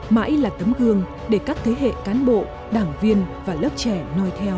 mãi là tấm gương để các thế hệ cán bộ đảng viên và lớp trẻ nói theo